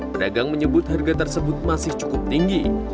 pedagang menyebut harga tersebut masih cukup tinggi